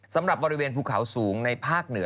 สำหรับบริเวณภูเขาสูงในภาคเหนือ